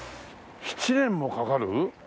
７年もかかる？